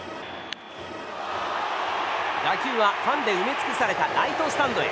打球はファンで埋め尽くされたライトスタンドへ。